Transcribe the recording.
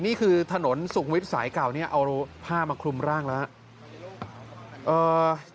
นี่คือถนนสุขวิทย์สายเก่าเนี่ยเอาผ้ามาคลุมร่างแล้วครับ